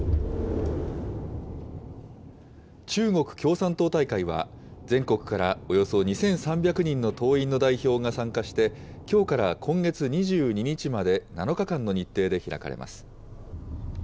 中国共産党大会は、全国からおよそ２３００人の党員の代表が参加して、きょうから今月２２日まで、７日間の日程で開かれます。